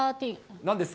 なんですか？